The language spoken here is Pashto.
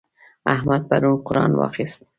احمد پرون قرآن واخيست.